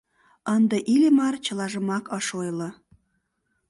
Ынде Иллимар чылажымак ыш ойло.